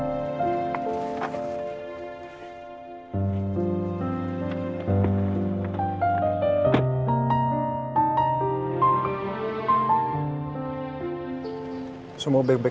nah ini langsung kembali ke puk